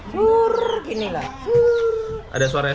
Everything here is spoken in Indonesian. buruk ini ada suara